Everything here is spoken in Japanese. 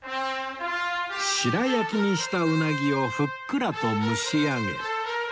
白焼きにしたうなぎをふっくらと蒸し上げ